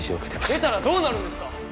出たらどうなるんですか？